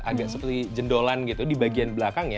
agak seperti jendolan gitu di bagian belakangnya